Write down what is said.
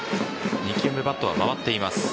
２球目、バットは回っています。